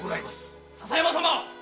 笹山様。